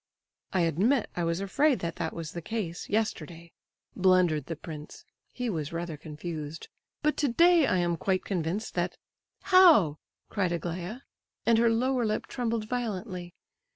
"I admit I was afraid that that was the case, yesterday," blundered the prince (he was rather confused), "but today I am quite convinced that—" "How?" cried Aglaya—and her lower lip trembled violently.